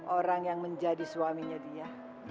orang yang menjadi suaminya dia